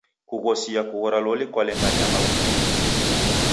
Kughosia kughora loli kwalenga nyama m'mbinyi.